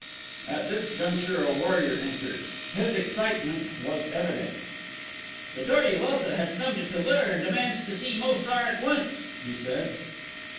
At this juncture a warrior entered. His excitement was evident. "The Dor ul Otho has come to Tu lur and demands to see Mo sar at once," he said.